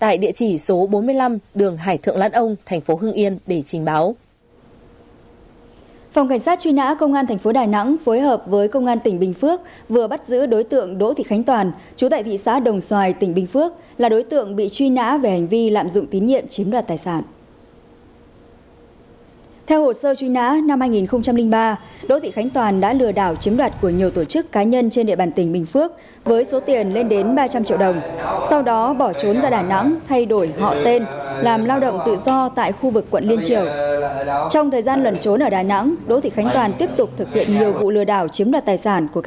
trong thời gian lần trốn ở đà nẵng đỗ thị khánh toàn tiếp tục thực hiện nhiều vụ lừa đảo chiếm đoạt tài sản của các đơn vị cá nhân với tổng số tiền gần hai trăm linh triệu đồng